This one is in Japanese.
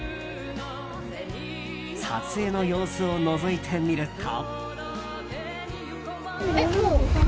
撮影の様子をのぞいてみると。